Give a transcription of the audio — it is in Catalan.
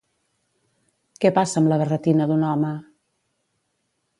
Què passa amb la barretina d'un home?